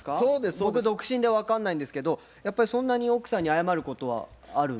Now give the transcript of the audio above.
僕独身で分かんないんですけどやっぱりそんなに奥さんに謝ることはあるんですか？